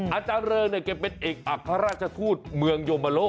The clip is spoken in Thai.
อาจารย์เริงเนี่ยแกเป็นเอกอัครราชทูตเมืองโยมโล